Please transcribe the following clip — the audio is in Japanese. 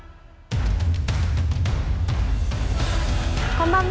こんばんは。